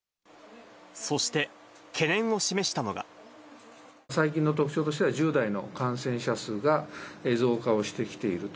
そして、最近の特徴としては、１０代の感染者数が増加をしてきていると。